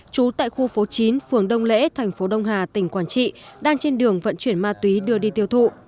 trú tại khu phố chín phường đông lễ thành phố đông hà tỉnh quảng trị đang trên đường vận chuyển ma túy đưa đi tiêu thụ